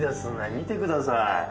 見てください。